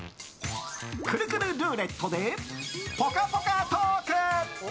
くるくるルーレットでぽかぽかトーク。